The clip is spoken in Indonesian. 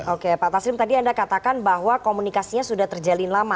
oke pak tasrim tadi anda katakan bahwa komunikasinya sudah terjalin lama